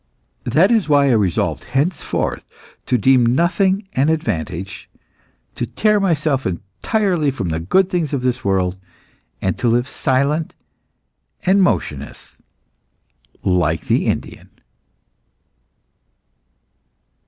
That is why I resolved henceforth to deem nothing an advantage, to tear myself entirely from the good things of this world, and to live silent and motionless, like the Indian."